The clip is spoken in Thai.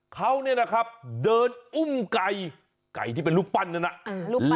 เขาเนี่ยนะครับเดินอุ้มไก่ไก่ที่เป็นรูปปั้นนั้นน่ะ